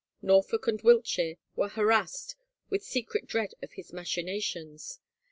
Norfolk and Wiltshire were harassed with a secret dread of his machinations.